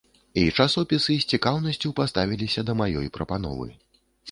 І часопісы з цікаўнасцю паставіліся да маёй прапановы.